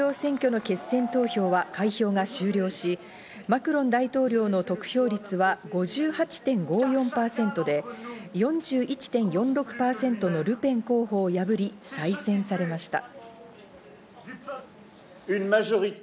フランス大統領選挙の決選投票は開票が終了し、マクロン大統領の得票率は５８．５４％で、４１．４６％のルペン候補を破り、再選されました。